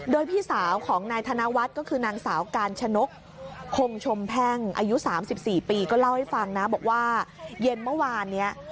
โดยพี่สาวของนายธนวัฒน์ก็คือนางสาวกาญชนกคงชมแพ่งอายุ๓๔ปีก็เล่าให้ฟังนะบอกว่าเย็นเมื่อวานนี้